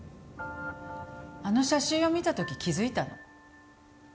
あの写真を見た時気づいたの。